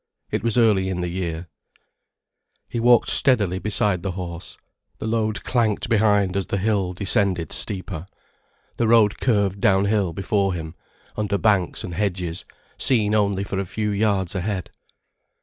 It was early in the year. He walked steadily beside the horse, the load clanked behind as the hill descended steeper. The road curved down hill before him, under banks and hedges, seen only for a few yards ahead.